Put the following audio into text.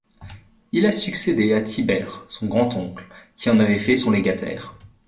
Il a succédé à Tibère, son grand-oncle, qui en avait fait son légataire.